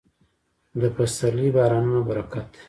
د پسرلي بارانونه برکت دی.